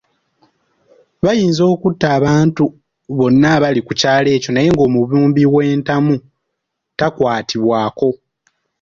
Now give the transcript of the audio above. Bayinza okutta abantu bonna abali ku kyalo ekyo naye ng’omubumbi w’entamu takwatibwako.